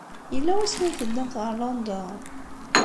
Yella wasmi ay teddamt ɣer London?